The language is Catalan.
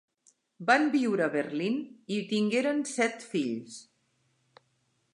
Van viure a Berlín, i tingueren set fills.